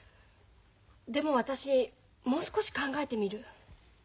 でも私もう少し考えてみる。